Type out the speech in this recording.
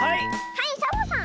はいサボさん！